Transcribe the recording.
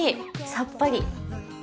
さっぱり。